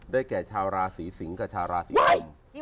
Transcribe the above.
ด้วยแก่ชาวราศรีสิงศ์กับชาวราศรีเหล่า